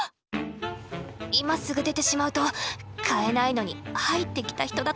今すぐ出てしまうと買えないのに入ってきた人だと思われてしまう。